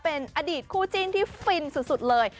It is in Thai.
เป็นอดีตคู่จิ้นที่ฟินสุดเลย